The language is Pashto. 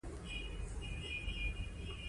له مثبتې ارواپوهنې ځينې ځوابونه څرګند شوي دي.